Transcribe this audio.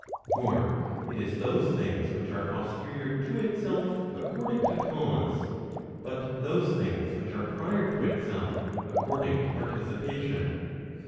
For it is those things which are posterior to itself, according to cause, but those things which are prior to itself, according to participation.